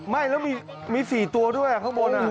ไม่แล้วมี๔ตัวด้วยข้างบน